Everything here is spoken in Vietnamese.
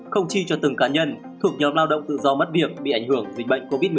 không chi cho từng cá nhân thuộc nhóm lao động tự do mất việc bị ảnh hưởng vì bệnh covid một mươi chín